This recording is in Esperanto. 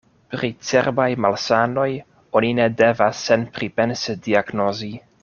Pri cerbaj malsanoj oni ne devas senpripense diagnozi.